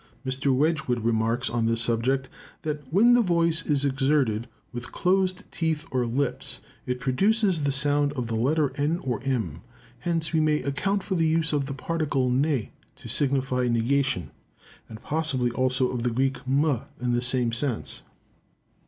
Mr. Wedgwood remarks on this subject, that "when the voice is exerted with closed teeth or lips, it produces the sound of the letter n or m. Hence we may account for the use of the particle ne to signify negation, and possibly also of the Greek mh in the same sense."